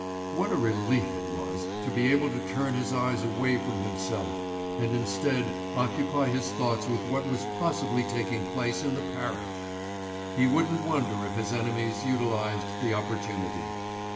What a relief it was to be able to turn his eyes away from himself, and instead occupy his thoughts with what was possibly taking place in the parish! He wouldn't wonder if his enemies utilised the opportunity.